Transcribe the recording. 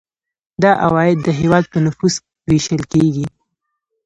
دا عواید د هیواد په نفوس ویشل کیږي.